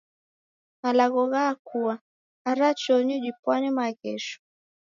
Malagho ghakua. Ara chonyi dipwanye maghesho.